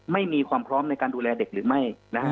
ไม่มีความพร้อมในการดูแลเด็กหรือไม่